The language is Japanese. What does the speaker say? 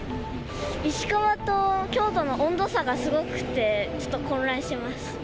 石川と京都の温度差がすごくて、ちょっと混乱してます。